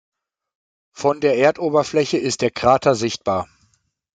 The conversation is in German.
Von der Erdoberfläche ist der Krater sichtbar.